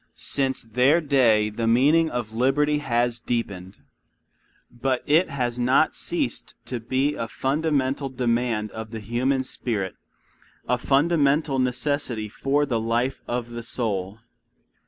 Since their day the meaning of liberty has deepened. But it has not ceased to be a fundamental demand of the human spirit, a fundamental necessity for the life of the soul.